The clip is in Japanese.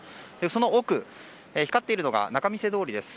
その奥、光っているのが仲見世通りです。